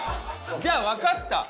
じゃあわかった！